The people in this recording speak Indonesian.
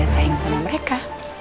berasa yang sama mereka